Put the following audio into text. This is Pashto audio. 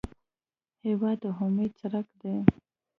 هېواد د امید څرک دی.